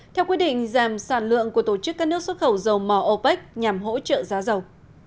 theo quyết định giảm sản lượng của tổ chức các nước xuất khẩu dầu mỏ opec nhằm hỗ trợ giá dầu